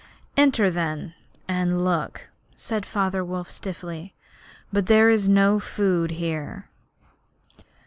'Enter, then, and look,' said Father Wolf, stiffly; 'but there is no food here.'